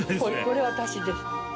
これ私です。